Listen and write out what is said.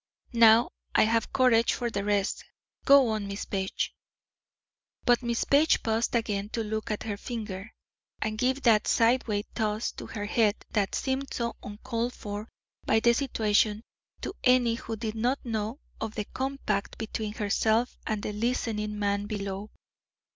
"Now I have courage for the rest. Go on, Miss Page." But Miss Page paused again to look at her finger, and give that sideways toss to her head that seemed so uncalled for by the situation to any who did not know of the compact between herself and the listening man below.